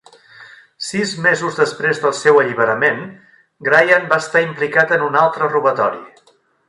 Sis mesos després del seu alliberament, Grahan va estar implicat en un altre robatori.